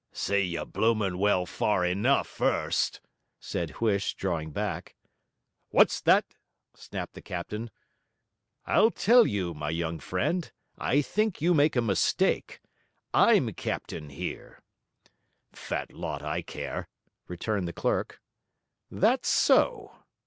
'See you blooming well far enough first,' said Huish, drawing back. 'What's that?' snapped the captain. 'I'll tell you, my young friend, I think you make a mistake. I'm captain here.' 'Fat lot I care,' returned the clerk. 'That so?'